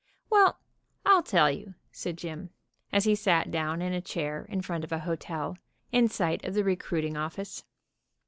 "Well, I'll tell you," said Jim, as he sat down in a chair in front of a hotel, in sight of the recruiting office.